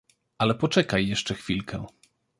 Ale poczekaj jeszcze chwilkę.